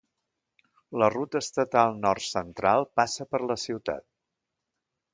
La ruta estatal Nord Central passa per la ciutat.